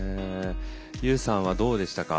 Ｕさんはどうでしたか？